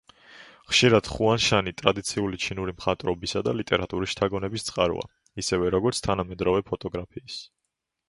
ხშირად ხუანშანი ტრადიციული ჩინური მხატვრობისა და ლიტერატურის შთაგონების წყაროა, ისევე როგორც თანამედროვე ფოტოგრაფიის.